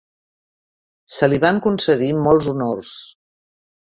Se li van concedir molts honors.